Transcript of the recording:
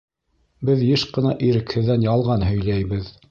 Беҙ йыш ҡына ирекһеҙҙән ялған һөйләйбеҙ.